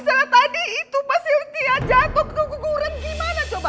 misalnya tadi itu pas sintia jatuh keguguran gimana coba